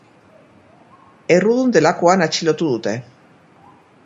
Errudun delakoan atxilotu dute.